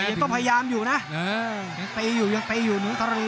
ยังต้องพยายามอยู่นะ